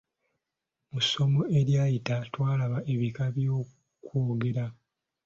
Mu ssomo eryayita twalaba ebika by’okwogera.